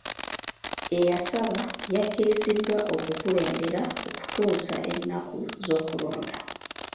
Eyasaba yakkiriziddwa okukulembera okutuusa ennaku z'okulonda.